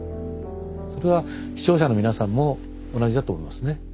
それは視聴者の皆さんも同じだと思いますね。